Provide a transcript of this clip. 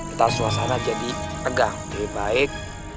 kita suasana jadi tegang lebih baik